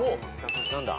何だ？